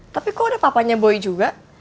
tapi kok udah papanya boy juga